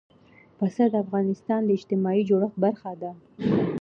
پسه د افغانستان د اجتماعي جوړښت برخه ده.